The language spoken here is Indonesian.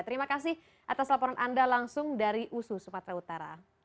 terima kasih atas laporan anda langsung dari usu sumatera utara